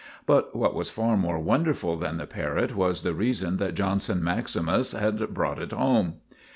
But what was far more wonderful than the parrot was the reason that Johnson maximus had brought it home.